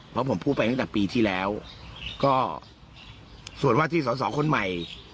เพราะผมพูดไปตั้งแต่ปีที่แล้วก็ส่วนว่าที่สอสอคนใหม่